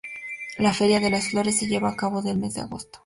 La "Feria de las flores" se lleva a cabo en el mes de agosto.